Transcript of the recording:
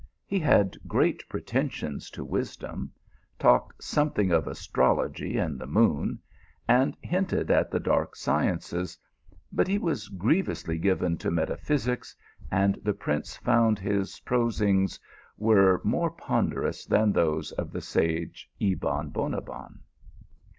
He had great pretensions to wisdom ; talked something of astrology and the moon, and hinted at the dark sciences, but he was grievously given to metaphysics, and the prince found his prosings were more ponderous than those of the sage Ebon Bonabbon.